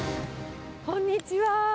こんにちは。